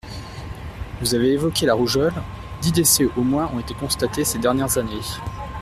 Vous avez évoqué la rougeole ; dix décès au moins ont été constatés ces dernières années.